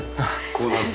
こうなると。